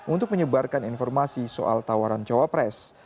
untuk menyebarkan informasi soal tawaran cawa pres